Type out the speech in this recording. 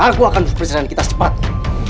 aku akan berpercaya dengan kita secepatnya